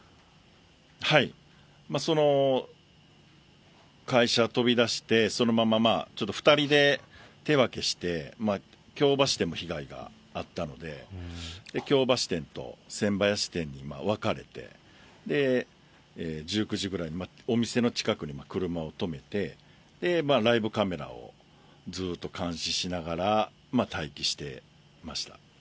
はい、会社飛び出して、そのままちょっと２人で手分けして、京橋店も被害が遭ったので、京橋店と千林店に分かれて、１９時ぐらいにお店の近くにも車を止めて、ライブカメラをずっと監視しながら、待機してました。